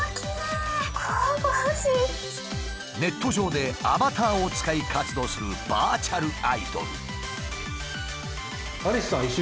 ネット上でアバターを使い活動するバーチャルアイドル。